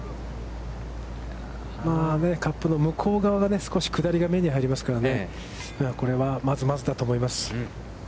カップの向こう側の下りが目に入りますから、これはまずまずだと思います。